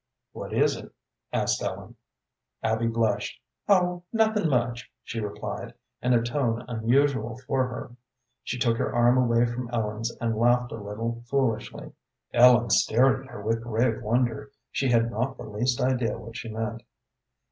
"What is it?" asked Ellen. Abby blushed. "Oh, nothing much," she replied, in a tone unusual for her. She took her arm away from Ellen's, and laughed a little foolishly. Ellen stared at her with grave wonder. She had not the least idea what she meant.